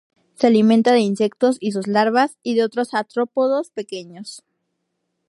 Se alimenta de insectos y sus larvas y de otros artrópodos pequeños.